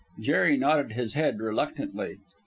Jerry nodded his head reluctantly.